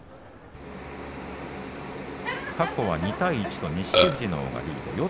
過去は２対１錦富士のほうがリード。